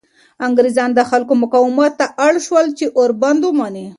انګریزان د خلکو مقاومت ته اړ شول چې اوربند ومني.